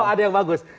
oh ada yang bagus